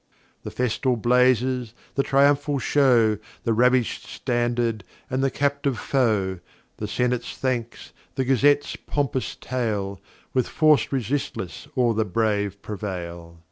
The[h] festal Blazes, the triumphal Show, The ravish'd Standard, and the captive Foe, The Senate's Thanks, the Gazette's pompous Tale, With Force resistless o'er the Brave prevail.